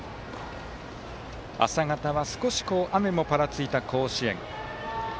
朝方は少し雨もぱらついた甲子園。